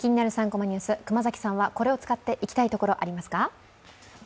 ３コマニュース」、熊崎さんはこれを使って行きたい所ありますか？